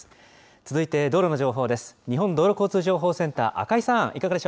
続いて道路の情報です。